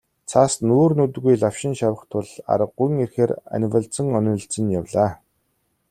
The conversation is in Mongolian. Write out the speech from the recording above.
Цас нүүр нүдгүй лавшин шавах тул аргагүйн эрхээр анивалзан онилзон явлаа.